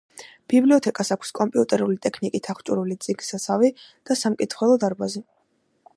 ბიბლიოთეკას აქვს კომპიუტერული ტექნიკით აღჭურვილი წიგნთსაცავი და სამკითხველო დარბაზი.